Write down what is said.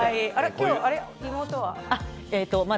今日は妹は。